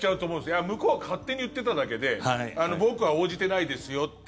いや、向こうは勝手に言ってただけで僕は応じてないですよって。